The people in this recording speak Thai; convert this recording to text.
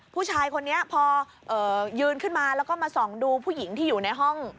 ผู้ชายคนนี้พอยืนขึ้นมาแล้วก็มาส่องดูผู้หญิงที่อยู่ในห้อง